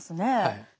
はい。